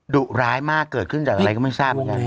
ดุร้ายมากเกิดขึ้นจากอะไรก็ไม่ทราบ